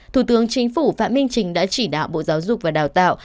thủ tướng chính phủ phạm minh trình đã chỉ đạo bộ giáo dục và đào tạo